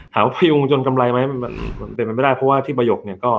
ถามว่าพยุงจนกำไรไหมมันเป็นไม่ได้เพราะว่าที่บยกเนี่ยก็